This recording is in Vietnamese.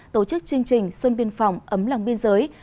tổ chức chương trình xuân biên phòng ấm lòng biên giới